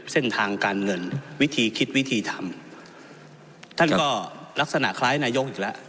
เส้นทางการเงินวิธีคิดวิธีทำท่านก็ลักษณะคล้ายนายกอีกแล้ว